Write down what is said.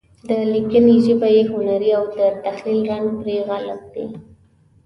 د لیکنې ژبه یې هنري او د تخیل رنګ پرې غالب وي.